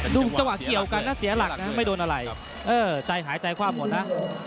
จังหวะเกี่ยวกันนะเสียหลักนะไม่โดนอะไรเออใจหายใจความหมดนะ